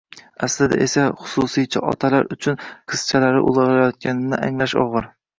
Aslida esa xususiychi otalar uchun qizchalari ulg‘ayayotganini anglash og'ir.